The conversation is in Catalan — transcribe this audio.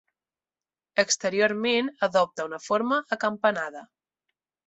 Exteriorment adopta una forma acampanada.